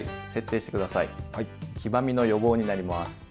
黄ばみの予防になります。